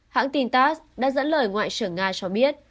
hãng tin tass đã dẫn lời ngoại trưởng nga cho biết